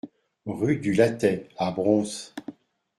Rue du Lattay à Broons